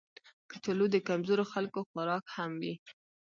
کچالو د کمزورو خلکو خوراک هم وي